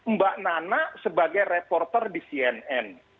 mbak nana sebagai reporter di cnn